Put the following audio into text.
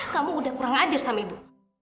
kamu udah kurang ajar sama ibu